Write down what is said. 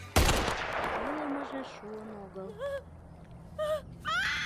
Илымыже шуын огыл...